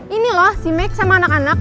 ini loh si make sama anak anak